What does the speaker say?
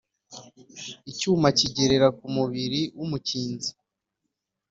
Icyuma kigerera ku mubiri w’umukinzi